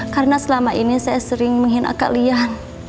karena selama ini saya sering menghina kalian